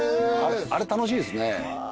あれ楽しいですね。